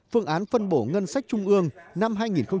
phương án phân bổ ngân sách trung ương năm hai nghìn một mươi tám